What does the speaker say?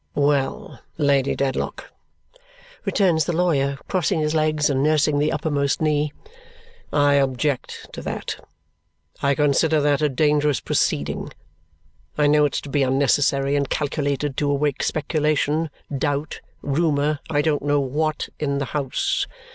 "Well, Lady Dedlock," returns the lawyer, crossing his legs and nursing the uppermost knee. "I object to that. I consider that a dangerous proceeding. I know it to be unnecessary and calculated to awaken speculation, doubt, rumour, I don't know what, in the house.